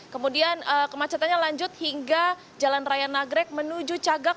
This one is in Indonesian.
kemudian kemacetannya lanjut hingga jalan raya nagrek menuju cagak